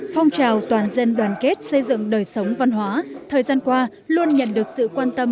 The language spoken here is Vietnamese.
phong trào toàn dân đoàn kết xây dựng đời sống văn hóa thời gian qua luôn nhận được sự quan tâm